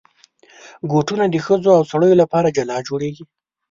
بوټونه د ښځو او سړیو لپاره جلا جوړېږي.